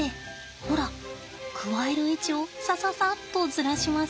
ほらくわえる位置をさささっとずらします。